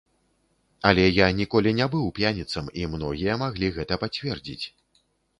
Але я ніколі не быў п'яніцам, і многія маглі гэта пацвердзіць.